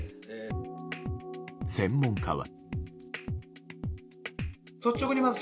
専門家は。